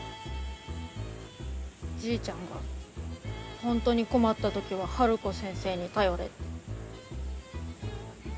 じいちゃんがホントに困ったときはハルコ先生に頼れって。